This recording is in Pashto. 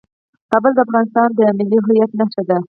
کابل د افغانستان د ملي هویت نښه ده.